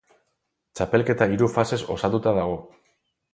Txapelketa hiru fasez osatuta dago.